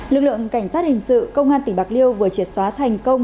lực lượng cảnh sát hình sự công an tỉnh bạc liêu vừa triệt xóa thành công